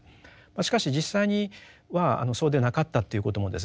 しかし実際にはそうでなかったということもですね